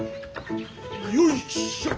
よいしょっ。